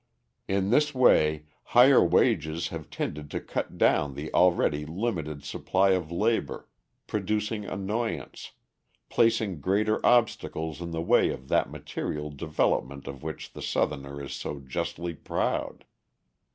In this way higher wages have tended to cut down the already limited supply of labour, producing annoyance, placing greater obstacles in the way of that material development of which the Southerner is so justly proud.